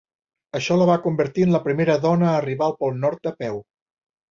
Això la va convertir en la primera dona a arribar al pol Nord a peu.